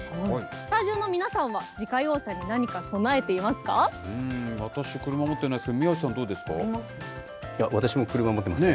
スタジオの皆さんは自家用車に何私、車持ってないですけど、私も車持ってません。